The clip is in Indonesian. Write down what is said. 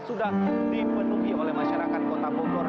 sudah dipenuhi oleh masyarakat kota bogor